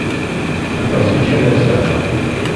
Aṭas i ččan ass-a.